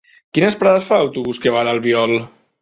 Quines parades fa l'autobús que va a l'Albiol?